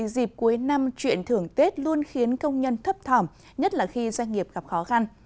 dịp cuối năm chuyện thưởng tết luôn khiến công nhân thấp thỏm nhất là khi doanh nghiệp gặp khó khăn